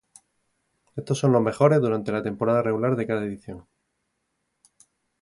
Estos son los mejores durante la temporada regular de cada edición.